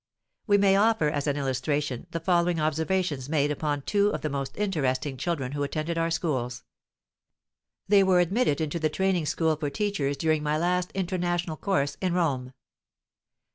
We may offer as an illustration the following observations made upon two of the most interesting children who attended our schools. They were admitted into the training school for teachers during my last International Course in Rome.